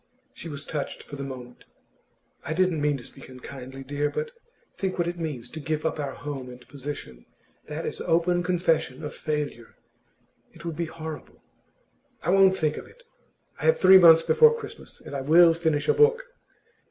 She was touched for the moment. 'I didn't mean to speak unkindly, dear. But think what it means, to give up our home and position. That is open confession of failure. It would be horrible.' 'I won't think of it. I have three months before Christmas, and I will finish a book!